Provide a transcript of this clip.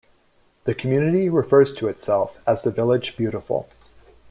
The community refers to itself as The Village Beautiful.